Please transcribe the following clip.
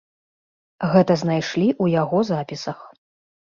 Гэта знайшлі ў яго запісах.